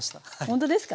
ほんとですか？